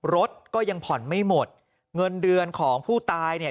รถก็ยังผ่อนไม่หมดเงินเดือนของผู้ตายเนี่ย